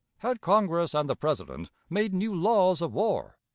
Had Congress and the President made new laws of war?